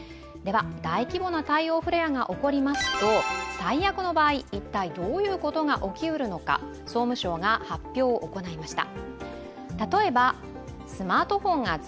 大規模な太陽フレアが起こりますと、最悪の場合どんなことが起こるのか総務省が発表を行いました。